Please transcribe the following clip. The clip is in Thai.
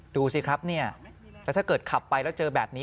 ดูสิครับถ้าเกิดขับไปแล้วเจอแบบนี้